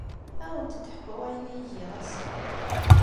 Ad awent-d-ḥkuɣ ayen ay giɣ ass-a.